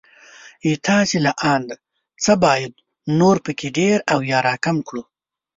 ستاسې له انده څه بايد نور په کې ډېر او يا را کم کړو